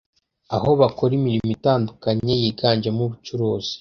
aho bakora imirimo itandukanye yiganjemo ubucuruzi